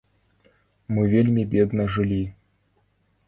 Мы вельмі бедна жылі.